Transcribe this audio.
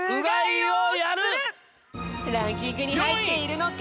ランキングにはいっているのか？